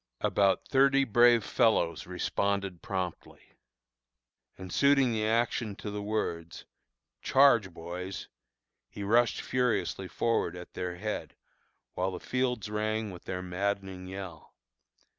About thirty brave fellows responded promptly, and suiting the action to the words, "charge, boys!" he rushed furiously forward at their head, while the fields rang with their maddening yell.